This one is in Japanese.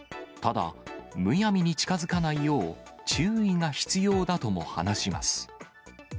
ただ、むやみに近づかないよう、注意が必要だとも話します。